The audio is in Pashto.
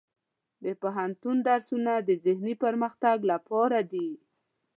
د پوهنتون درسونه د ذهني پرمختګ لپاره دي.